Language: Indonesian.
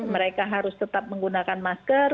mereka harus tetap menggunakan masker